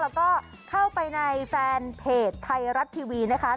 แล้วก็เข้าไปในแฟนเพจไทยรัฐทีวีนะคะ